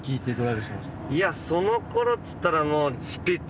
いやその頃っつったらもう。